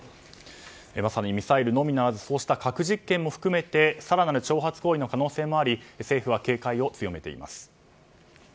まさにミサイルのみならず核実験も含めて更なる挑発行為の可能性もあり政府は警戒を強めています。